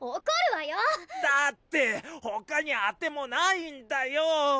だって他に当てもないんだよ！